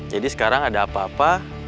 jadi sekarang ada apa apa